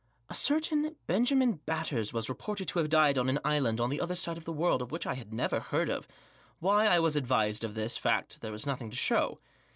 A certain Benjamin Batters was reported to have died on an island on the other side of the world of which I had never heard ; why I was advised of the fact, there was nothing to show.